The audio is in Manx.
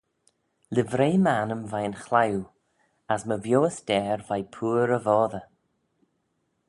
Livrey m'annym veih'n chliwe: as my vioys deyr veih pooar y voddey.